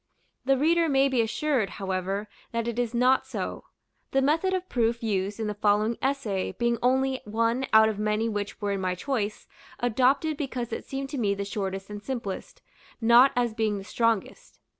The reader may be assured, however, that it is not so; the method of proof used in the following essay being only one out of many which were in my choice, adopted because it seemed to me the shortest and simplest, not as being the strongest.